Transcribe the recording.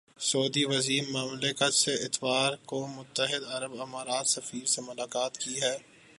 سعودی وزیر مملکت سے اتوار کو متحدہ عرب امارات سفیر نے ملاقات کی ہے